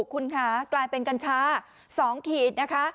คุณค่ะกลายเป็นกัญชา๒ขีดนะคะ